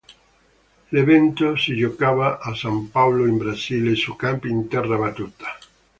L'evento si giocava a San Paolo in Brasile su campi in terra battuta.